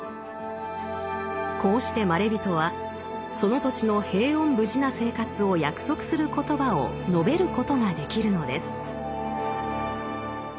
こうしてまれびとはその土地の平穏無事な生活を約束する言葉を述べることができるのです。